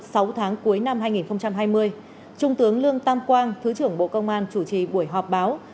sáu tháng cuối năm hai nghìn hai mươi trung tướng lương tam quang thứ trưởng bộ công an chủ trì buổi họp báo